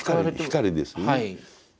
「光」ですね。